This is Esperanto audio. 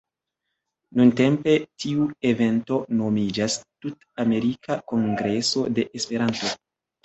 Nuntempe tiu evento nomiĝas "Tut-Amerika Kongreso de Esperanto".